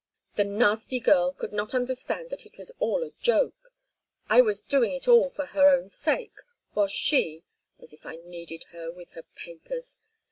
The nasty girl could not understand that it was all a joke. I was doing it all for her own sake, while she—As if I needed her with her papers.